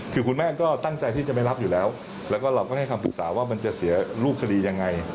คือคุณแม่ก็ตั้งใจที่จะไม่รับอยู่แล้วแล้วก็เราก็ให้คำปรึกษาว่ามันจะเสียรูปคดียังไง